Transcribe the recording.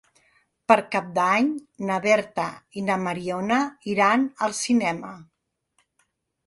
Per Cap d'Any na Berta i na Mariona iran al cinema.